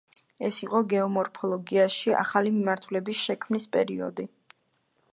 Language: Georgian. ეს იყო გეომორფოლოგიაში ახალი მიმართულების შექმნის პერიოდი.